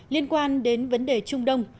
liên quan đến vấn đề trung đông